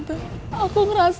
dia yang nyaut